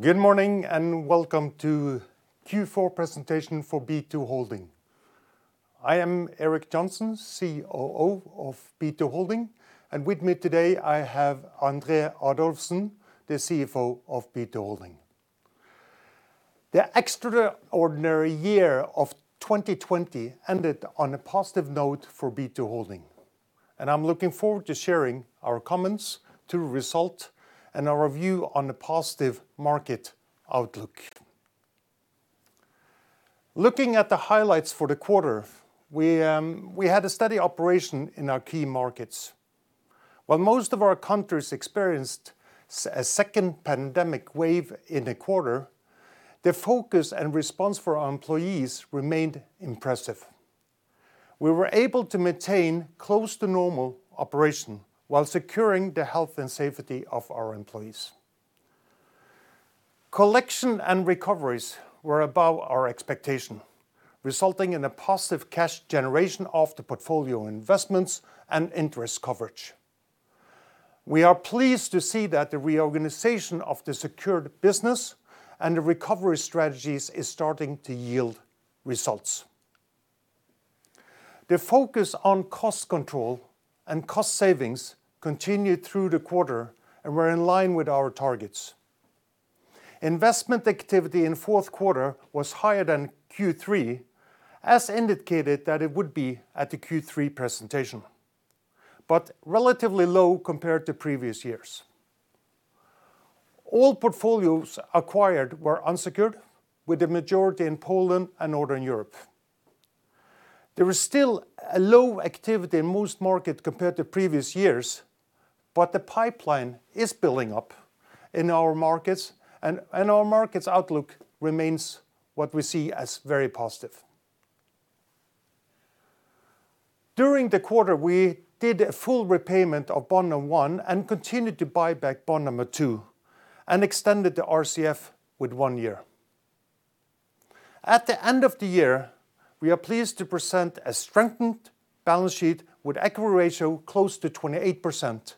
Good morning, and welcome to Q4 presentation for B2 Impact. I am Erik Johnsen, COO of B2 Impact, and with me today I have André Adolfsen, the CFO of B2 Impact. The extraordinary year of 2020 ended on a positive note for B2 Impact, and I'm looking forward to sharing our comments, to result, and our view on the positive market outlook. Looking at the highlights for the quarter, we had a steady operation in our key markets. While most of our countries experienced a second pandemic wave in the quarter, the focus and response for our employees remained impressive. We were able to maintain close to normal operation while securing the health and safety of our employees. Collection and recoveries were above our expectation, resulting in a positive cash generation of the portfolio investments and interest coverage. We are pleased to see that the reorganization of the secured business and the recovery strategies is starting to yield results. The focus on cost control and cost savings continued through the quarter and were in line with our targets. Investment activity in fourth quarter was higher than Q3, as indicated that it would be at the Q3 presentation, but relatively low compared to previous years. All portfolios acquired were unsecured, with the majority in Poland and Northern Europe. There is still a low activity in most markets compared to previous years, but the pipeline is building up in our markets and our markets outlook remains what we see as very positive. During the quarter, we did a full repayment of Bond1 and continued to buy back Bond2 and extended the RCF with one year. At the end of the year, we are pleased to present a strengthened balance sheet with equity ratio close to 28%.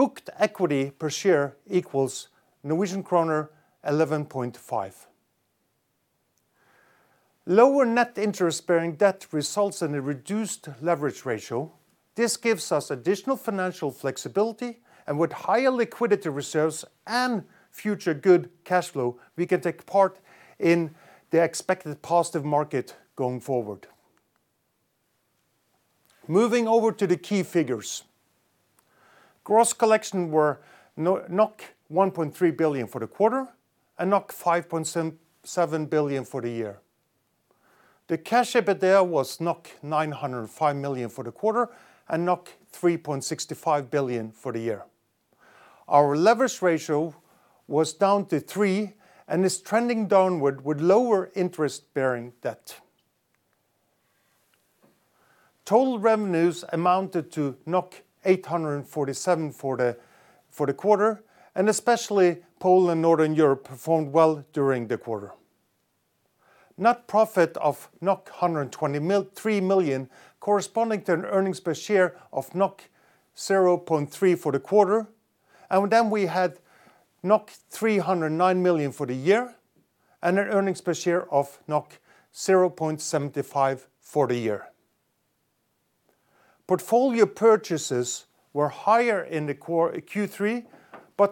Booked equity per share equals Norwegian kroner 11.5. Lower net interest bearing debt results in a reduced leverage ratio. This gives us additional financial flexibility, and with higher liquidity reserves and future good cash flow, we can take part in the expected positive market going forward. Moving over to the key figures. Gross collection were 1.3 billion for the quarter and 5.7 billion for the year. The cash EBITDA was 905 million for the quarter and 3.65 billion for the year. Our leverage ratio was down to three and is trending downward with lower interest bearing debt. Total revenues amounted to 847 for the quarter, and especially Poland Northern Europe performed well during the quarter. Net profit of 123 million, corresponding to an earnings per share of 0.3 for the quarter. We had 309 million for the year and an earnings per share of 0.75 for the year. Portfolio purchases were higher in Q3,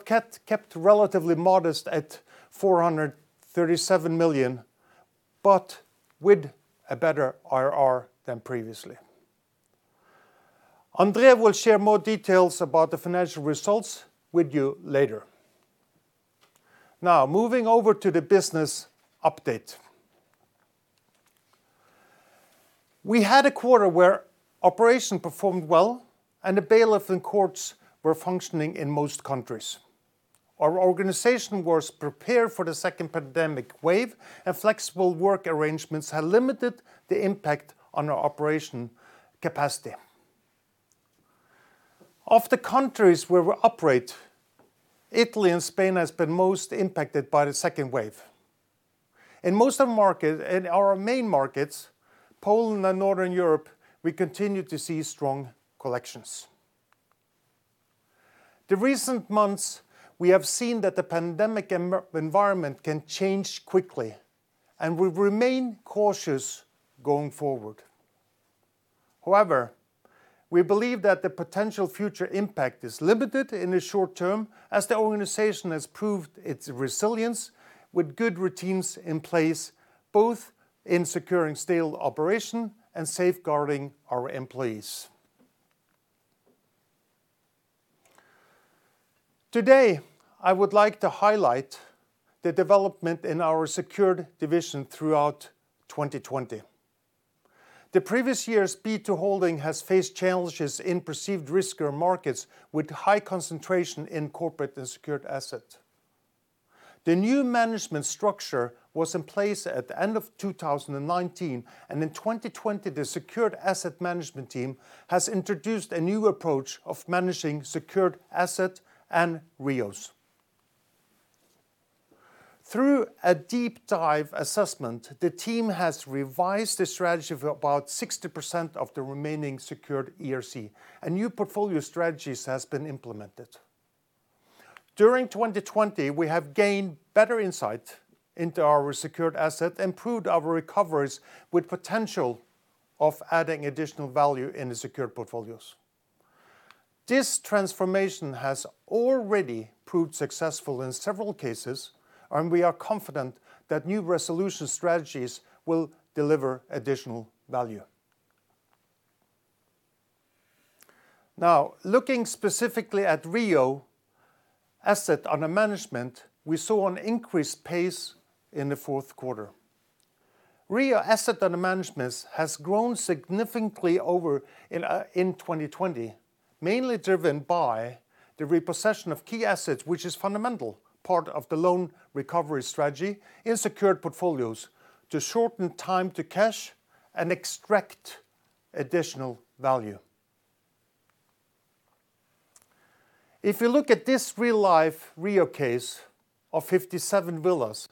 kept relatively modest at 437 million, with a better IRR than previously. André will share more details about the financial results with you later. Moving over to the business update. We had a quarter where operation performed well and the bailiff and courts were functioning in most countries. Our organization was prepared for the second pandemic wave, flexible work arrangements have limited the impact on our operation capacity. Of the countries where we operate, Italy and Spain has been most impacted by the second wave. In our main markets, Poland and Northern Europe, we continue to see strong collections. The recent months, we have seen that the pandemic environment can change quickly, and we remain cautious going forward. However, we believe that the potential future impact is limited in the short term as the organization has proved its resilience with good routines in place, both in securing stable operation and safeguarding our employees. Today, I would like to highlight the development in our secured division throughout 2020. The previous years, B2 Impact has faced challenges in perceived riskier markets with high concentration in corporate and secured assets. The new management structure was in place at the end of 2019, and in 2020, the secured asset management team has introduced a new approach of managing secured asset and REOs. Through a deep dive assessment, the team has revised the strategy of about 60% of the remaining secured ERC and new portfolio strategies has been implemented. During 2020, we have gained better insight into our secured asset, improved our recoveries with potential of adding additional value in the secured portfolios. This transformation has already proved successful in several cases, and we are confident that new resolution strategies will deliver additional value. Now, looking specifically at REO asset under management, we saw an increased pace in the fourth quarter. REO asset under management has grown significantly in 2020, mainly driven by the repossession of key assets, which is fundamental part of the loan recovery strategy in secured portfolios to shorten time to cash and extract additional value. If you look at this real-life REO case of 57 villas,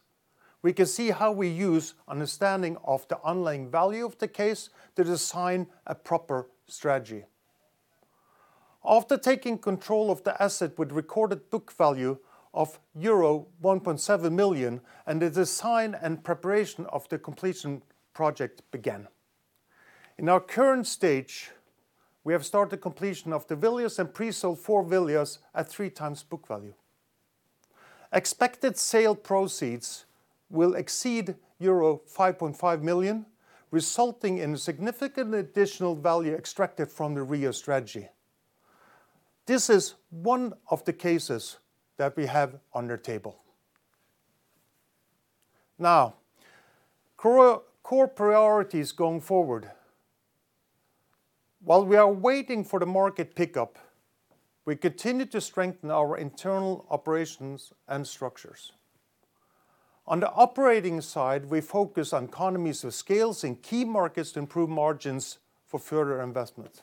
we can see how we use understanding of the underlying value of the case to design a proper strategy. After taking control of the asset with recorded book value of euro 1.7 million and the design and preparation of the completion project began. In our current stage, we have started completion of the villas and pre-sold four villas at three times book value. Expected sale proceeds will exceed euro 5.5 million, resulting in significant additional value extracted from the REO strategy. This is one of the cases that we have on the table. Now, core priorities going forward. While we are waiting for the market pickup, we continue to strengthen our internal operations and structures. On the operating side, we focus on economies of scales in key markets to improve margins for future investments.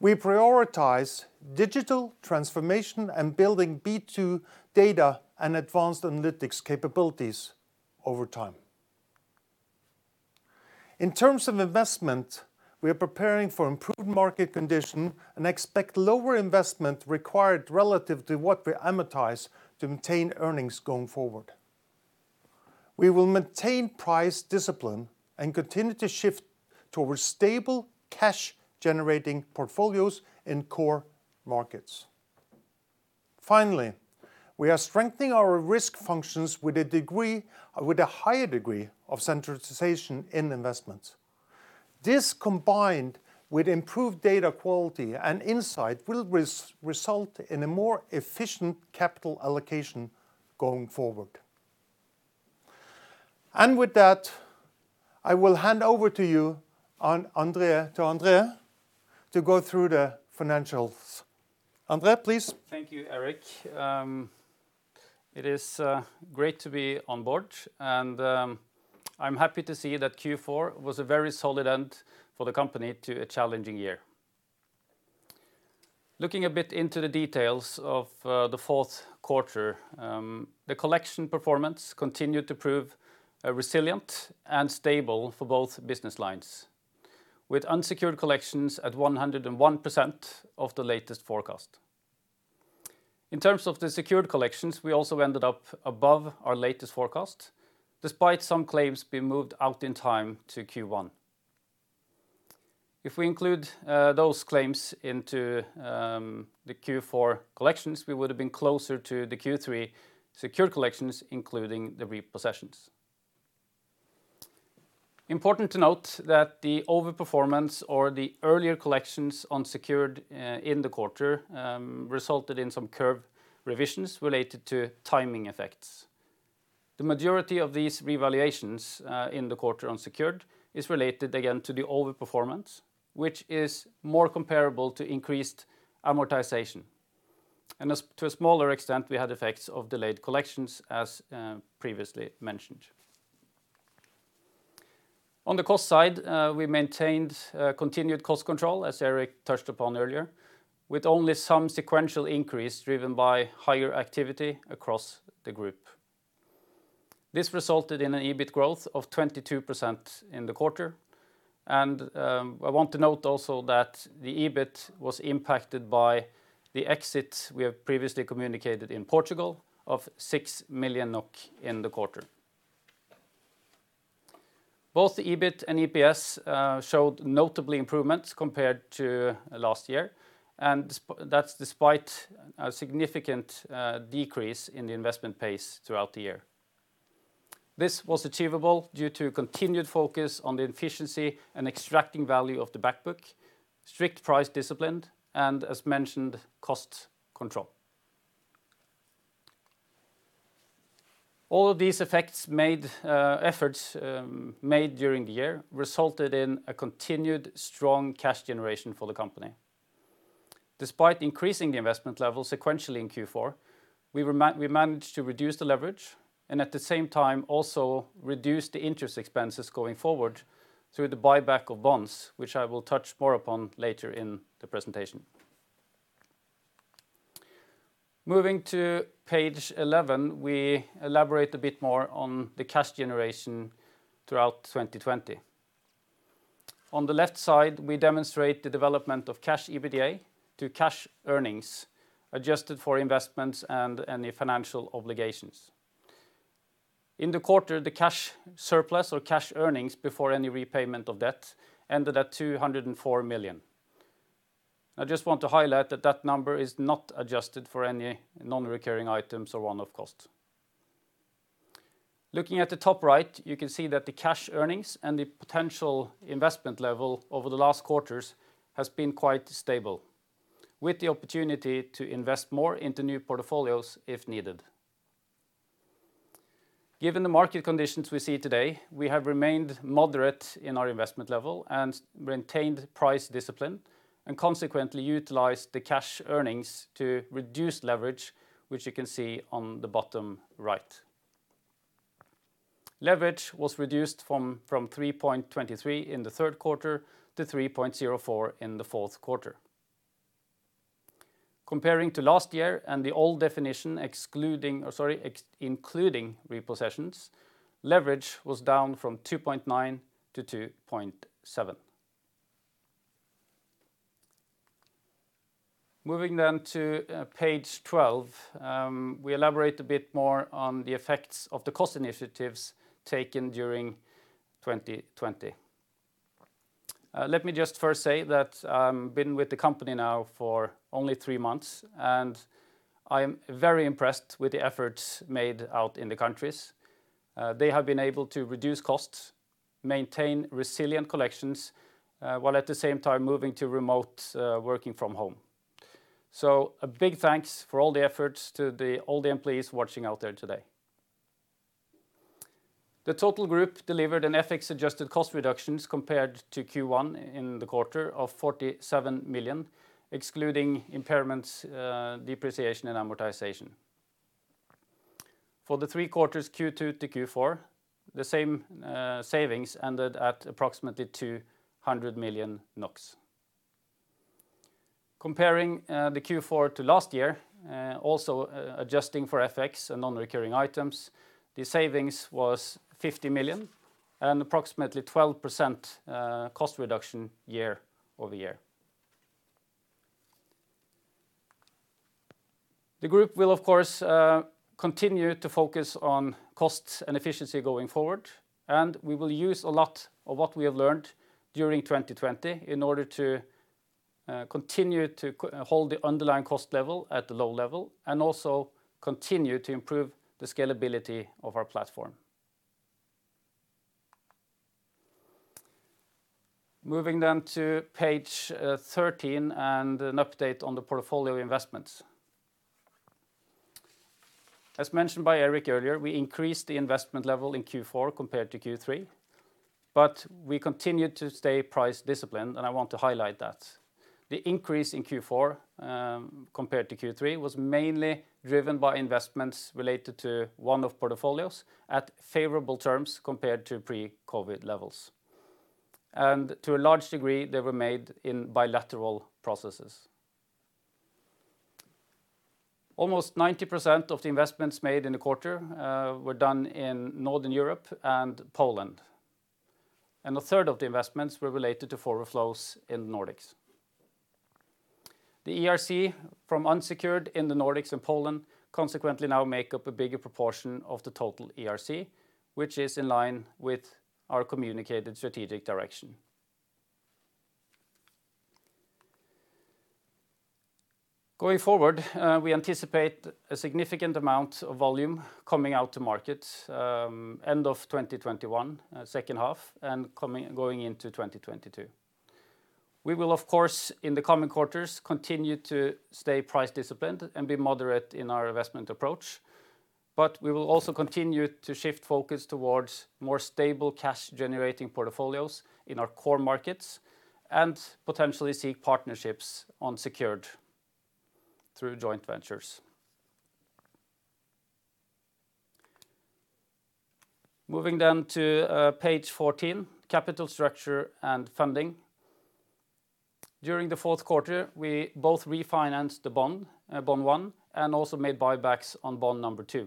We prioritize digital transformation and building B2 data and advanced analytics capabilities over time. In terms of investment, we are preparing for improved market condition and expect lower investment required relative to what we amortize to maintain earnings going forward. We will maintain price discipline and continue to shift towards stable cash generating portfolios in core markets. Finally, we are strengthening our risk functions with a higher degree of centralization in investment. This combined with improved data quality and insight will result in a more efficient capital allocation going forward. With that, I will hand over to you, André, to go through the financials. André, please. Thank you, Erik. It is great to be on board, and I'm happy to see that Q4 was a very solid end for the company to a challenging year. Looking a bit into the details of the fourth quarter, the collection performance continued to prove resilient and stable for both business lines with unsecured collections at 101% of the latest forecast. In terms of the secured collections, we also ended up above our latest forecast, despite some claims being moved out in time to Q1. If we include those claims into the Q4 collections, we would've been closer to the Q3 secured collections, including the repossessions. Important to note that the over-performance or the earlier collections on secured in the quarter resulted in some curve revisions related to timing effects. The majority of these revaluations in the quarter on secured is related again to the over-performance, which is more comparable to increased amortization. To a smaller extent, we had effects of delayed collections as previously mentioned. On the cost side, we maintained continued cost control, as Erik touched upon earlier, with only some sequential increase driven by higher activity across the group. This resulted in an EBIT growth of 22% in the quarter. I want to note also that the EBIT was impacted by the exit we have previously communicated in Portugal of 6 million NOK in the quarter. Both the EBIT and EPS showed notably improvements compared to last year. That's despite a significant decrease in the investment pace throughout the year. This was achievable due to continued focus on the efficiency and extracting value of the back book, strict price discipline, and as mentioned, cost control. All of these efforts made during the year resulted in a continued strong cash generation for the company. Despite increasing the investment level sequentially in Q4, we managed to reduce the leverage and at the same time also reduce the interest expenses going forward through the buyback of bonds, which I will touch more upon later in the presentation. Moving to page 11, we elaborate a bit more on the cash generation throughout 2020. On the left side, we demonstrate the development of cash EBITDA to cash earnings, adjusted for investments and any financial obligations. In the quarter, the cash surplus or cash earnings before any repayment of debt ended at 204 million. I just want to highlight that that number is not adjusted for any non-recurring items or one-off costs. Looking at the top right, you can see that the cash earnings and the potential investment level over the last quarters has been quite stable, with the opportunity to invest more into new portfolios if needed. Given the market conditions we see today, we have remained moderate in our investment level and maintained price discipline, and consequently utilized the cash earnings to reduce leverage, which you can see on the bottom right. Leverage was reduced from 3.23 in the third quarter to 3.04 in the fourth quarter. Comparing to last year and the old definition including repossessions, leverage was down from 2.9 to 2.7. Moving to page 12, we elaborate a bit more on the effects of the cost initiatives taken during 2020. Let me just first say that I've been with the company now for only three months, and I am very impressed with the efforts made out in the countries. They have been able to reduce costs, maintain resilient collections, while at the same time moving to remote working from home. A big thanks for all the efforts to all the employees watching out there today. The total group delivered an FX-adjusted cost reductions compared to Q1 in the quarter of 47 million, excluding impairments, depreciation, and amortization. For the three quarters, Q2 to Q4, the same savings ended at approximately 200 million NOK. Comparing the Q4 to last year, also adjusting for FX and non-recurring items, the savings was 50 million and approximately 12% cost reduction year-over-year. The group will, of course, continue to focus on costs and efficiency going forward, and we will use a lot of what we have learned during 2020 in order to continue to hold the underlying cost level at the low level and also continue to improve the scalability of our platform. Moving to page 13 and an update on the portfolio investments. As mentioned by Erik earlier, we increased the investment level in Q4 compared to Q3, but we continued to stay price disciplined, and I want to highlight that. The increase in Q4, compared to Q3, was mainly driven by investments related to one of portfolios at favorable terms compared to pre-COVID levels. To a large degree, they were made in bilateral processes. Almost 90% of the investments made in the quarter were done in Northern Europe and Poland. A third of the investments were related to forward flows in the Nordics. The ERC from unsecured in the Nordics and Poland consequently now make up a bigger proportion of the total ERC, which is in line with our communicated strategic direction. Going forward, we anticipate a significant amount of volume coming out to market end of 2021, second half and going into 2022. We will, of course, in the coming quarters, continue to stay price disciplined and be moderate in our investment approach. We will also continue to shift focus towards more stable cash generating portfolios in our core markets and potentially seek partnerships on secured through joint ventures. Moving to page 14, capital structure and funding. During the fourth quarter, we both refinanced the bond, Bond1, and also made buybacks on Bond2.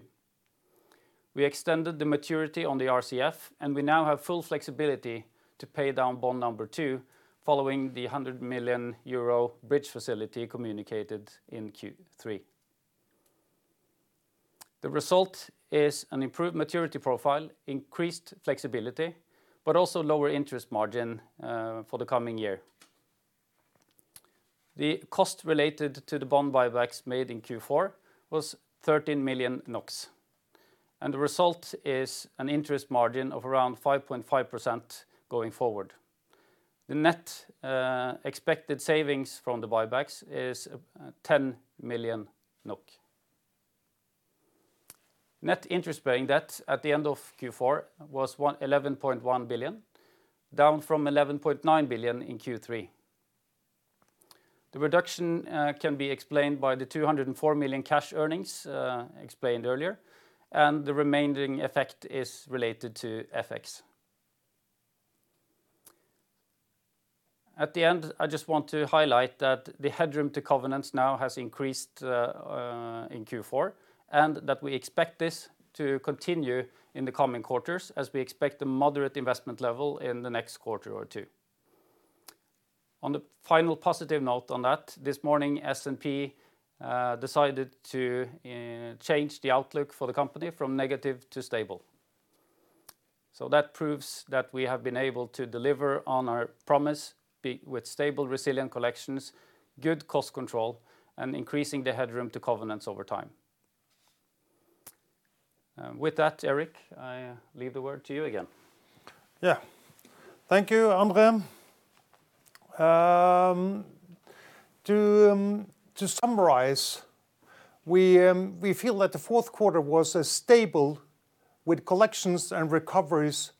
We extended the maturity on the RCF. We now have full flexibility to pay down Bond2 following the 100 million euro bridge facility communicated in Q3. The result is an improved maturity profile, increased flexibility, but also lower interest margin for the coming year. The cost related to the bond buybacks made in Q4 was 13 million NOK. The result is an interest margin of around 5.5% going forward. The net expected savings from the buybacks is 10 million NOK. Net interest bearing debt at the end of Q4 was 11.1 billion, down from 11.9 billion in Q3. The reduction can be explained by the 204 million cash earnings explained earlier, and the remaining effect is related to FX. At the end, I just want to highlight that the headroom to covenants now has increased in Q4, and that we expect this to continue in the coming quarters as we expect a moderate investment level in the next quarter or two. On the final positive note on that, this morning S&P decided to change the outlook for the company from negative to stable. That proves that we have been able to deliver on our promise, with stable resilient collections, good cost control, and increasing the headroom to covenants over time. With that, Erik, I leave the word to you again. Yeah. Thank you, André. To summarize, we feel that the fourth quarter was stable with collections and recoveries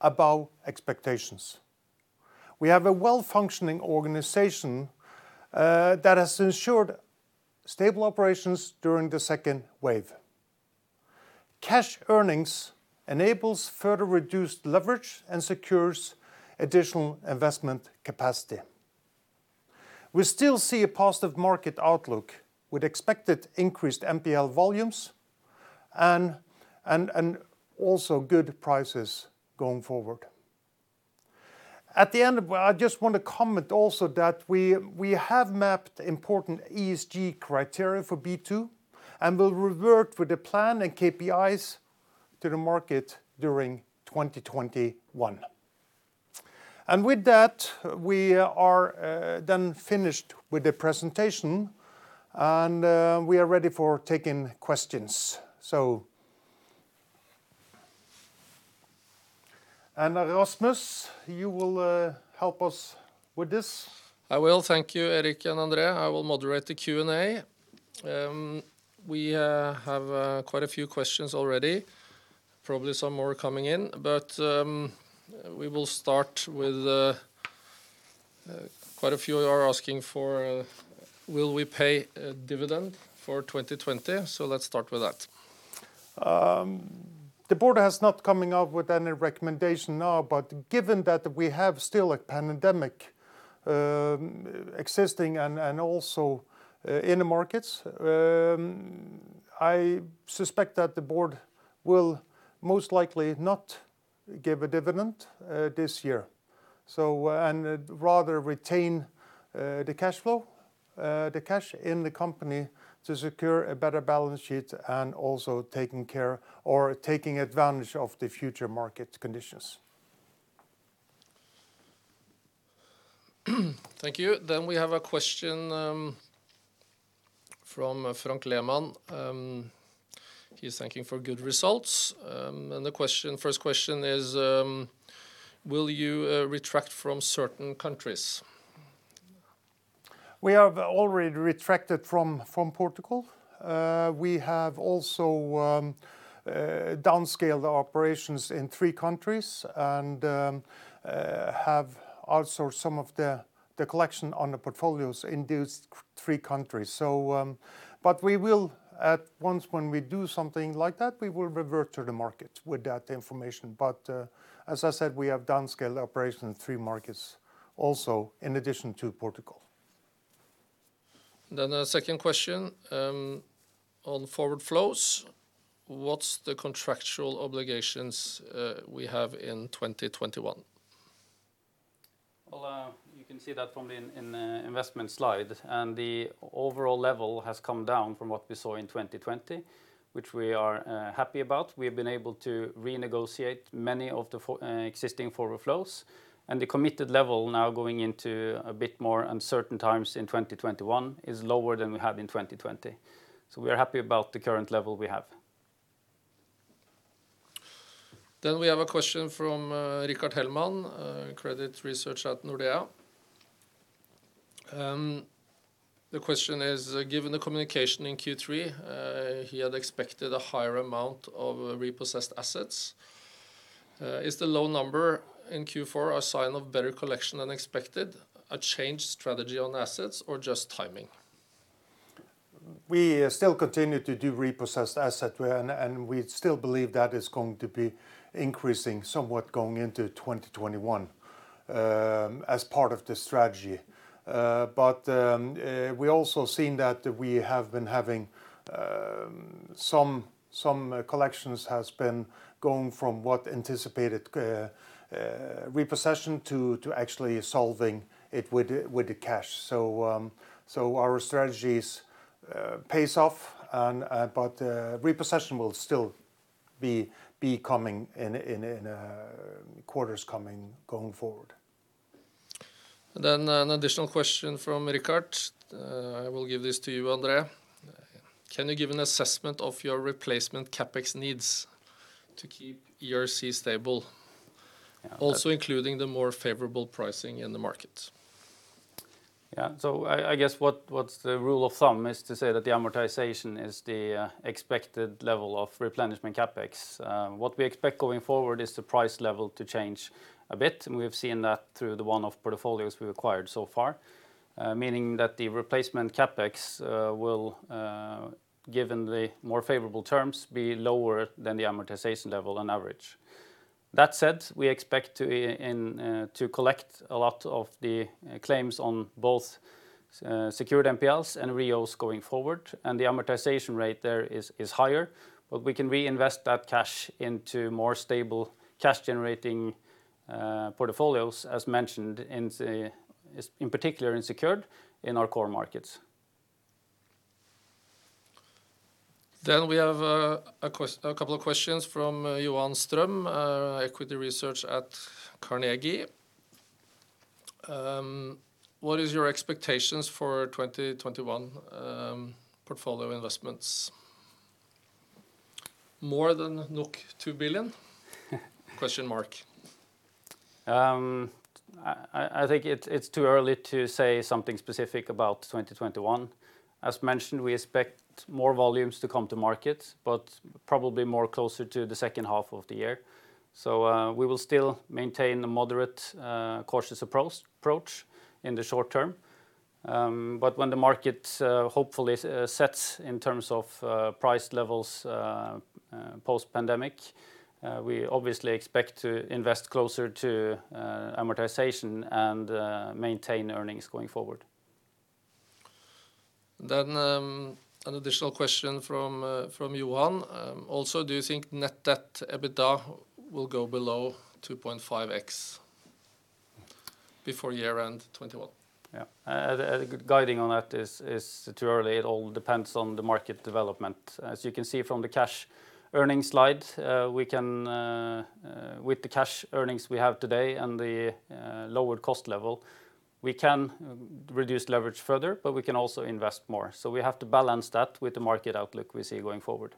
above expectations. We have a well-functioning organization that has ensured stable operations during the second wave. Cash earnings enables further reduced leverage and secures additional investment capacity. We still see a positive market outlook with expected increased NPL volumes and also good prices going forward. At the end, I just want to comment also that we have mapped important ESG criteria for B2, and will revert with the plan and KPIs to the market during 2021. With that, we are then finished with the presentation, and we are ready for taking questions. Rasmus, you will help us with this. I will. Thank you, Erik and André. I will moderate the Q&A. We have quite a few questions already, probably some more are coming in. We will start with quite a few are asking for will we pay a dividend for 2020? Let's start with that. The board has not coming out with any recommendation now. Given that we have still a pandemic existing and also in the markets, I suspect that the board will most likely not give a dividend this year. Rather retain the cash flow, the cash in the company to secure a better balance sheet and also taking care or taking advantage of the future market conditions. Thank you. We have a question from Frank Lehmann. He is thanking for good results. The first question is, will you retract from certain countries? We have already retracted from Portugal. We have also down scaled our operations in three countries and have outsourced some of the collection on the portfolios in those three countries. We will at once when we do something like that, we will revert to the market with that information. As I said, we have down scaled operations in three markets also in addition to Portugal. A second question, on forward flows, what's the contractual obligations we have in 2021? Well, you can see that from the investment slide. The overall level has come down from what we saw in 2020, which we are happy about. We have been able to renegotiate many of the existing forward flows. The committed level now going into a bit more uncertain times in 2021 is lower than we had in 2020. We are happy about the current level we have. We have a question from Rickard Hellman, a credit researcher at Nordea. The question is, given the communication in Q3, he had expected a higher amount of repossessed assets. Is the low number in Q4 a sign of better collection than expected, a change strategy on assets or just timing? We still continue to do repossessed asset. We still believe that is going to be increasing somewhat going into 2021 as part of the strategy. We also seen that we have been having some collections has been going from what anticipated repossession to actually solving it with the cash. Our strategies pays off and but repossession will still be coming in quarters coming going forward. An additional question from Rickard. I will give this to you, André. Can you give an assessment of your replacement CapEx needs to keep your C stable? Yeah. Also including the more favorable pricing in the market. I guess what the rule of thumb is to say that the amortization is the expected level of replenishment CapEx. What we expect going forward is the price level to change a bit, and we have seen that through the one-off portfolios we've acquired so far. Meaning that the replacement CapEx will, given the more favorable terms, be lower than the amortization level on average. That said, we expect to collect a lot of the claims on both secured NPLs and REOs going forward, and the amortization rate there is higher. We can reinvest that cash into more stable cash-generating portfolios, as mentioned, in particular in secured in our core markets. We have a couple of questions from Johan Strøm, Equity Research at Carnegie. What is your expectations for 2021 portfolio investments? More than NOK 2 billion? I think it's too early to say something specific about 2021. As mentioned, we expect more volumes to come to market, probably more closer to the second half of the year. We will still maintain a moderate, cautious approach in the short- term. When the market hopefully sets in terms of price levels post pandemic, we obviously expect to invest closer to amortization and maintain earnings going forward. An additional question from Johan. Do you think net debt EBITDA will go below 2.5x before year-end 2021? Guiding on that is too early. It all depends on the market development. As you can see from the cash earnings slide, with the cash earnings we have today and the lowered cost level, we can reduce leverage further, but we can also invest more. We have to balance that with the market outlook we see going forward.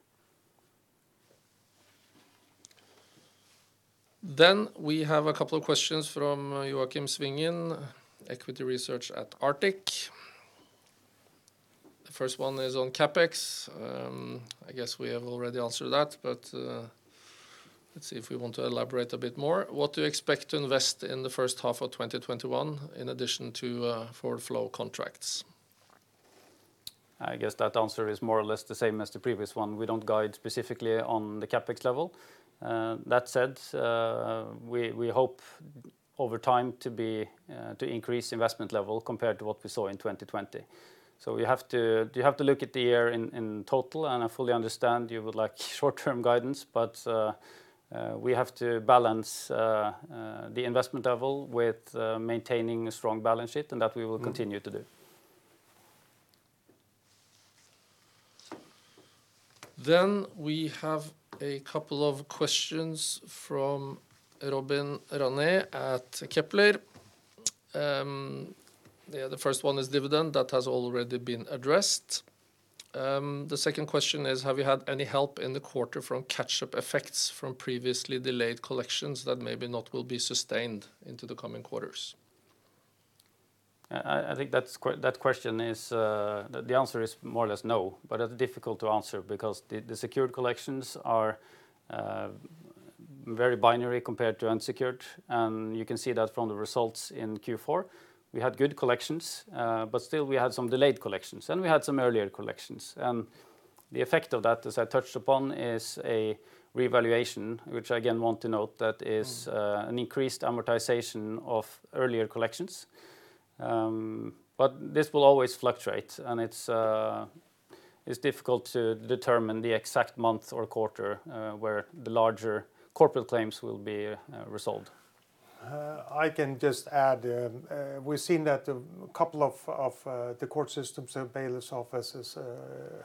We have a couple of questions from Joakim Svingen, Equity Research at Arctic. The first one is on CapEx. I guess we have already answered that, let's see if we want to elaborate a bit more. What do you expect to invest in the first half of 2021 in addition to forward flow contracts? I guess that answer is more or less the same as the previous one. We don't guide specifically on the CapEx level. That said, we hope over time to increase investment level compared to what we saw in 2020. You have to look at the year in total, and I fully understand you would like short-term guidance, but we have to balance the investment level with maintaining a strong balance sheet, and that we will continue to do. We have a couple of questions from Robin Ranné at Kepler. The first one is dividend. That has already been addressed. The second question is have you had any help in the quarter from catch-up effects from previously delayed collections that maybe not will be sustained into the coming quarters? I think that question is, the answer is more or less no. That's difficult to answer because the secured collections are very binary compared to unsecured, and you can see that from the results in Q4. We had good collections. Still we had some delayed collections, and we had some earlier collections. The effect of that, as I touched upon, is a revaluation, which I again want to note that is an increased amortization of earlier collections. This will always fluctuate, and it's difficult to determine the exact month or quarter where the larger corporate claims will be resolved. I can just add. We've seen that a couple of the court systems or bailiff's offices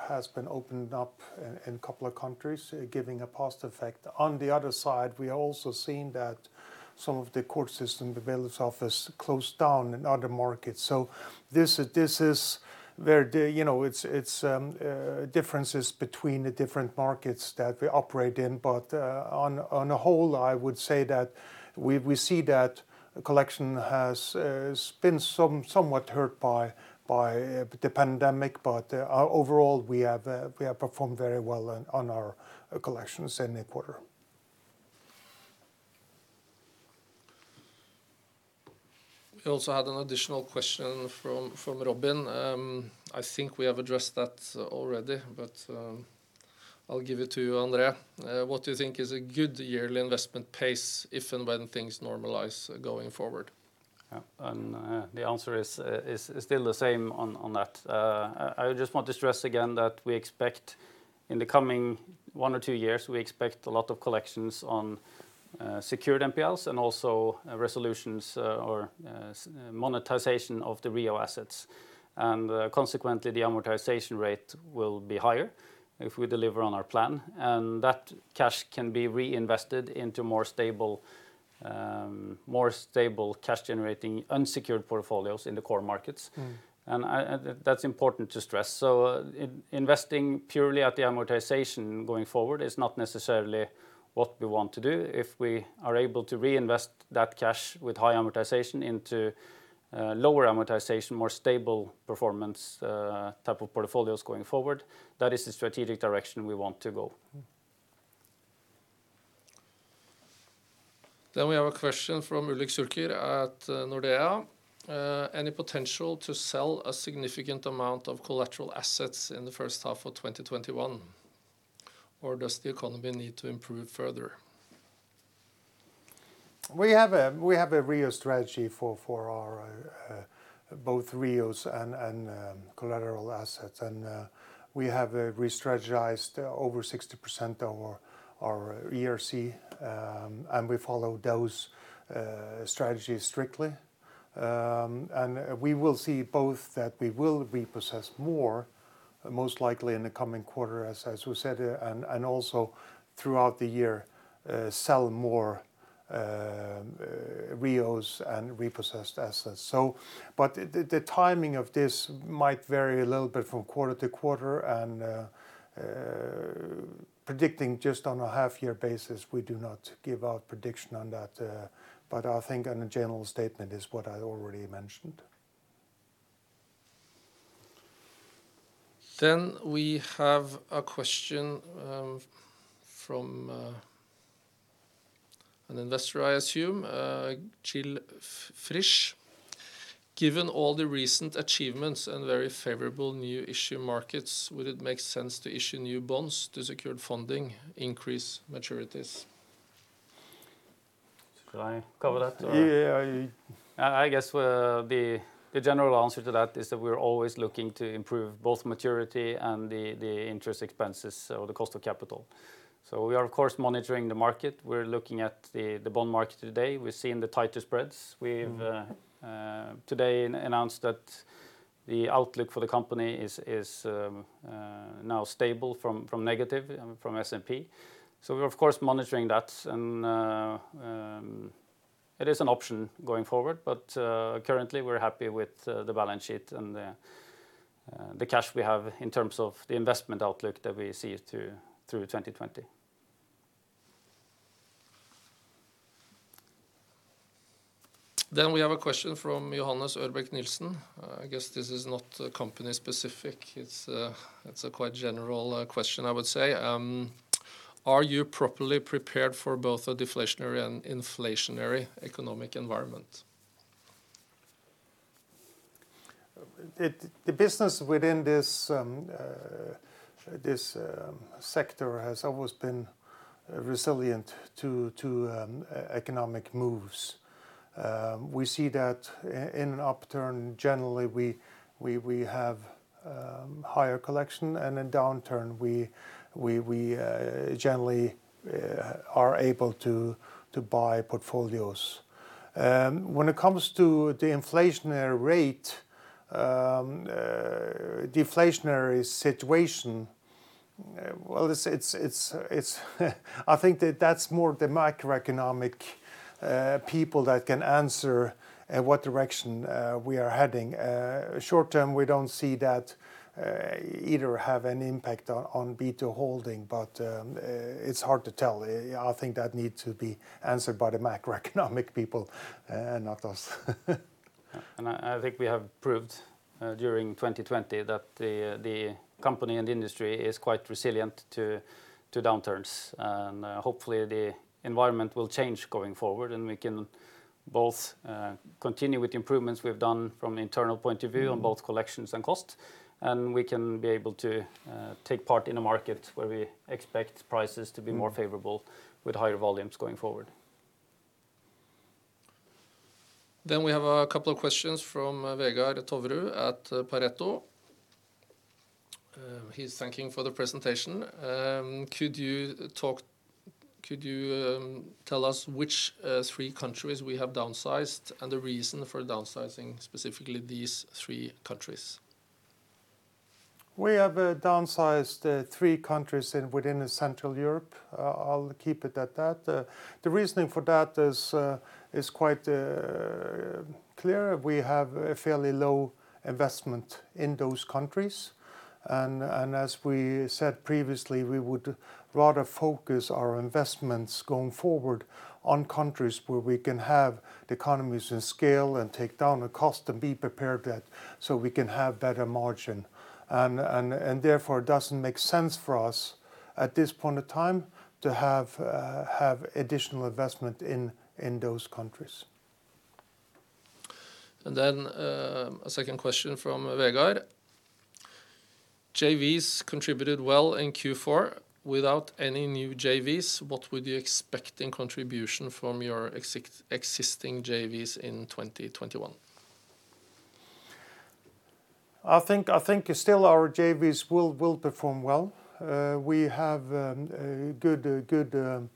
has been opened up in a couple of countries, giving a positive effect. On the other side, we are also seeing that some of the court system, the bailiff's office, closed down in other markets. This is where it's differences between the different markets that we operate in. On a whole, I would say that we see that collection has been somewhat hurt by the pandemic. Overall, we have performed very well on our collections in the quarter. We also had an additional question from Robin. I think we have addressed that already, but I'll give it to you, André. What do you think is a good yearly investment pace if and when things normalize going forward? The answer is still the same on that. I just want to stress again that we expect in the coming one or two years, we expect a lot of collections on secured NPLs and also resolutions or monetization of the REO assets. Consequently, the amortization rate will be higher if we deliver on our plan. That cash can be reinvested into more stable cash generating unsecured portfolios in the core markets. That's important to stress. Investing purely at the amortization going forward is not necessarily what we want to do. If we are able to reinvest that cash with high amortization into lower amortization, more stable performance type of portfolios going forward, that is the strategic direction we want to go. We have a question from Ulrik Zurcher at Nordea. Any potential to sell a significant amount of collateral assets in the first half of 2021, or does the economy need to improve further? We have a REO strategy for both REOs and collateral assets. We have re-strategized over 60% of our ERC, and we follow those strategies strictly. We will see both that we will repossess more, most likely in the coming quarter, as we said, and also throughout the year, sell more REOs and repossessed assets. The timing of this might vary a little bit from quarter to quarter, and predicting just on a half-year basis, we do not give out prediction on that. I think on a general statement is what I already mentioned. We have a question from an investor, I assume, Jan Frisch. Given all the recent achievements and very favorable new issue markets, would it make sense to issue new bonds to secured funding, increase maturities? Should I cover that? Yeah. I guess the general answer to that is that we're always looking to improve both maturity and the interest expenses or the cost of capital. We are, of course, monitoring the market. We're looking at the bond market today. We're seeing the tighter spreads. We've today announced that the outlook for the company is now stable from negative from S&P. We are of course, monitoring that and it is an option going forward. Currently we're happy with the balance sheet and the cash we have in terms of the investment outlook that we see through 2020. We have a question from Johannes Ørbech Nelsen. I guess this is not company specific. It's a quite general question, I would say. Are you properly prepared for both a deflationary and inflationary economic environment? The business within this sector has always been resilient to economic moves. We see that in an upturn, generally, we have higher collection, and in downturn, we generally are able to buy portfolios. When it comes to the inflationary rate, deflationary situation, well, I think that that's more the macroeconomic people that can answer what direction we are heading. Short- term, we don't see that either have an impact on B2 Impact, but it's hard to tell. I think that needs to be answered by the macroeconomic people and not us. I think we have proved during 2020 that the company and the industry is quite resilient to downturns. Hopefully the environment will change going forward and we can both continue with the improvements we've done from the internal point of view on both collections and cost. We can be able to take part in a market where we expect prices to be more favorable with higher volumes going forward. We have a couple of questions from Vegard Toverud at Pareto. He's thanking for the presentation. Could you tell us which three countries we have downsized and the reason for downsizing specifically these three countries? We have downsized three countries within Central Europe. I'll keep it at that. The reasoning for that is quite clear. We have a fairly low investment in those countries. As we said previously, we would rather focus our investments going forward on countries where we can have the economies of scale and take down the cost and be prepared so we can have better margin. Therefore, it doesn't make sense for us at this point of time to have additional investment in those countries. A second question from Vegard. JVs contributed well in Q4 without any new JVs. What would you expect in contribution from your existing JVs in 2021? I think still our JVs will perform well. We have good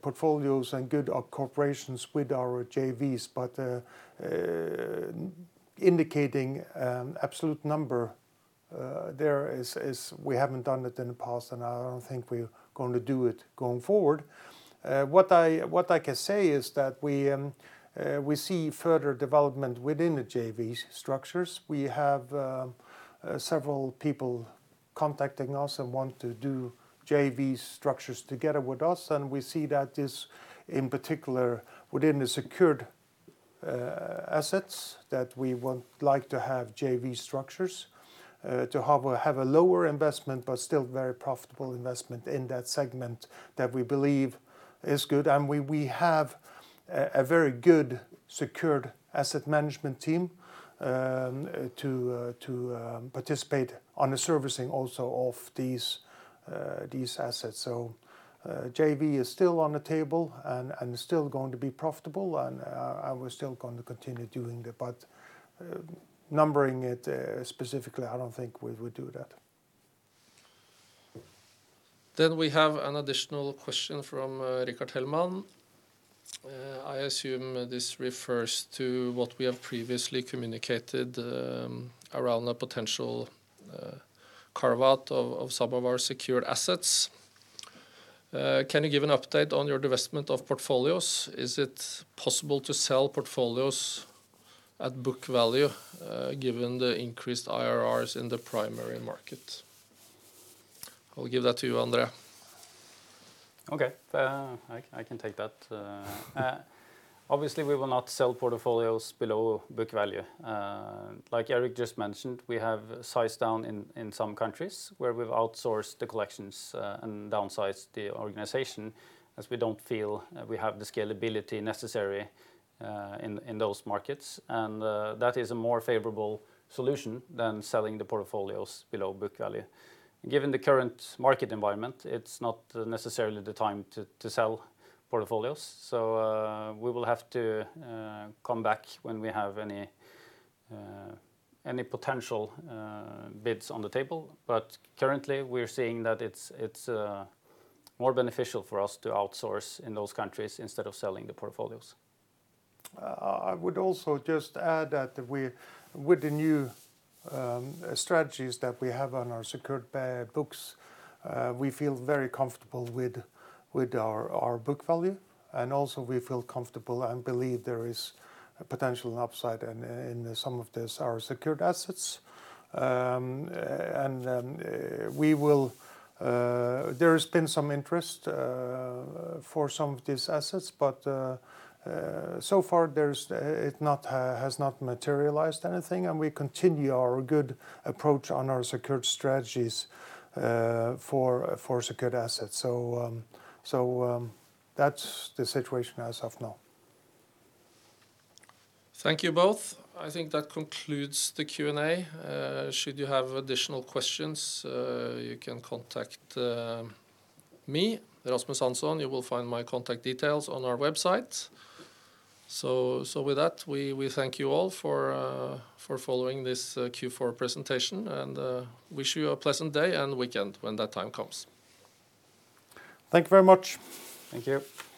portfolios and good cooperations with our JVs, but indicating absolute number there is we haven't done it in the past and I don't think we're going to do it going forward. What I can say is that we see further development within the JV structures. We have several people contacting us and want to do JV structures together with us, and we see that is in particular within the secured assets that we would like to have JV structures to have a lower investment, but still very profitable investment in that segment that we believe is good. We have a very good secured asset management team to participate on the servicing also of these assets. JV is still on the table and is still going to be profitable and we're still going to continue doing it. Numbering it specifically, I don't think we would do that. We have an additional question from Rickard Hellman. I assume this refers to what we have previously communicated around a potential carve out of some of our secured assets. Can you give an update on your divestment of portfolios? Is it possible to sell portfolios at book value given the increased IRRs in the primary market? I'll give that to you, André. Okay. I can take that. We will not sell portfolios below book value. Like Erik just mentioned, we have sized down in some countries where we've outsourced the collections and downsized the organization as we don't feel we have the scalability necessary in those markets. That is a more favorable solution than selling the portfolios below book value. Given the current market environment, it's not necessarily the time to sell portfolios. We will have to come back when we have any potential bids on the table. Currently we're seeing that it's more beneficial for us to outsource in those countries instead of selling the portfolios. I would also just add that with the new strategies that we have on our secured books we feel very comfortable with our book value. Also we feel comfortable and believe there is a potential upside in some of our secured assets. There has been some interest for some of these assets, so far it has not materialized anything. We continue our good approach on our secured strategies for secured assets. That's the situation as of now. Thank you both. I think that concludes the Q&A. Should you have additional questions, you can contact me, Rasmus Hansson. You will find my contact details on our website. With that, we thank you all for following this Q4 presentation and wish you a pleasant day and weekend when that time comes. Thank you very much. Thank you.